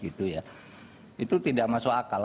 itu tidak masuk akal